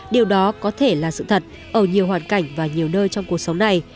điều đó có thể là sự thật ở nhiều hoàn cảnh và nhiều nơi trong cuộc sống này